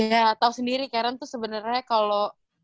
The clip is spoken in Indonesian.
ya tau sendiri karen tuh sebenernya kalo